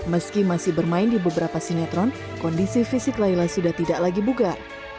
meski masih bermain di beberapa sinetron kondisi fisik laila sudah tidak lagi bugar